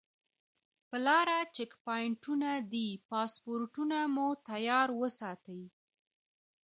پر لاره چیک پواینټونه دي پاسپورټونه مو تیار وساتئ.